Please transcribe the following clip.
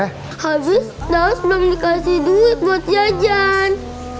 habis daos belum dikasih duit buat jajan